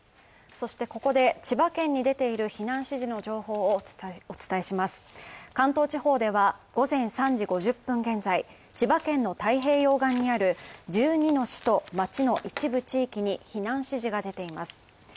そしてここで千葉県に出ている避難指示の情報をお伝えします関東地方では、午前３時５０分現在、千葉県の太平洋側にある１２の市と町の一部地域に避難指示が出ています。